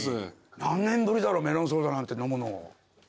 何年ぶりだろうメロンソーダなんて飲むの。